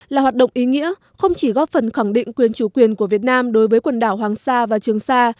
là hoạt động ý nghĩa không chỉ góp phần khẳng định quyền chủ quyền của việt nam đối với quần đảo hoàng sa và trường sa